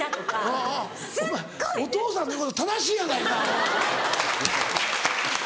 お前お父さんの言うこと正しいやないかアホ！